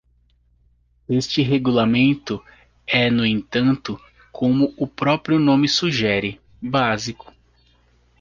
Este regulamento é, no entanto, como o próprio nome sugere, básico.